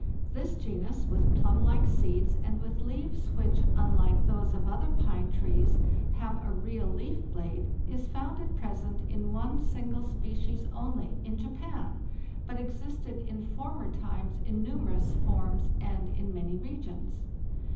This genus, with plum like seeds and with leaves I1.—36 562 FARTHEST NORTH which, unlike those of other pine trees, have a real leaf blade, is found at present, in one single species only, in Japan, but existed in former times in numerous forms and in many regions.